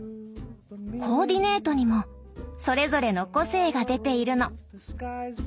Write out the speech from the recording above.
コーディネートにもそれぞれの個性が出ているの。